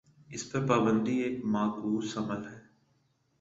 اس پر پابندی ایک معکوس عمل ہے۔